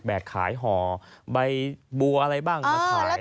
แบกขายห่อใบบัวอะไรบ้างมาขาย